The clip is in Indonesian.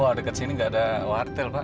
wah deket sini gak ada wartel pak